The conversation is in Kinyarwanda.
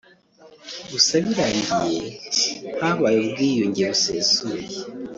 gusa birangiye habaye ubwiyunge busesuye